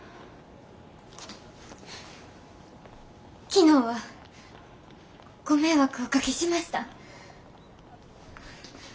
昨日はご迷惑をおかけしました。